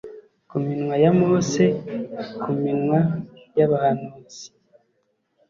Ku minwa ya Mose ku minwa yabahanuzi